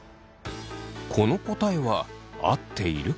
この答えは合っているか？